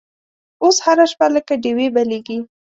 اوس هره شپه لکه ډیوې بلیږې